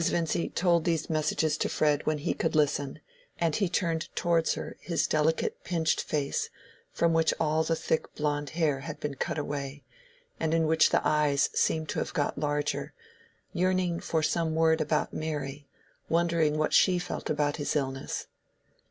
Vincy told these messages to Fred when he could listen, and he turned towards her his delicate, pinched face, from which all the thick blond hair had been cut away, and in which the eyes seemed to have got larger, yearning for some word about Mary—wondering what she felt about his illness.